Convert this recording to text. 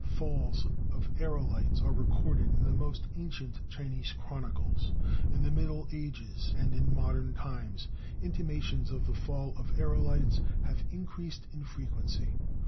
Falls of aërolites are recorded in the most ancient Chinese chronicles. In the Middle Ages and in modern times intimations of the fall of aërolites have increased in frequency.